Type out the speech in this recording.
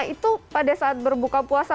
itu pada saat berbuka puasa